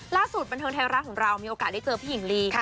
ล่าสุดบันทึงแทนรักของเรามีโอกาสได้เจอพี่หญิงลี